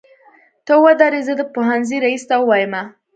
ته ودرې زه د پوهنځۍ ريس ته وويمه.